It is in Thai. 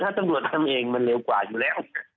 ถ้าตำรวจทำเองมันเร็วกว่าอยู่แล้ว